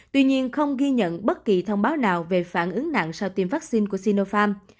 tuy nhiên không ghi nhận bất kỳ thông báo nào về phản ứng nặng sau tiêm vaccine của sinopharm